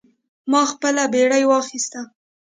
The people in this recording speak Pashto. ما خپله بیړۍ واخیسته.